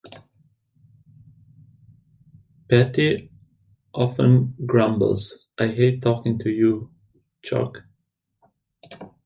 Patty often grumbles, I hate talking to you, Chuck!